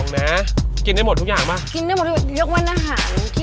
มีอาหารใต้